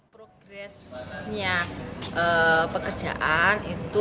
progresnya pekerjaan itu enam puluh delapan